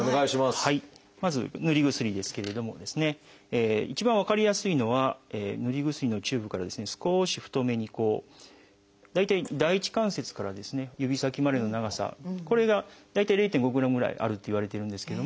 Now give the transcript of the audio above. まずぬり薬ですけれども一番分かりやすいのはぬり薬のチューブから少し太めに大体第一関節から指先までの長さこれが大体０．５グラムぐらいあるっていわれてるんですけども。